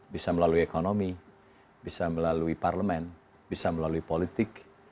bisa melalui ekonomi bisa melalui parlemen bisa melalui politik